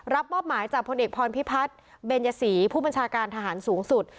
รับมอบหมายจากพลเอกพรพิพัฒน์เบญยศรีผู้บัญชาการทหารสูงสุด